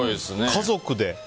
家族で。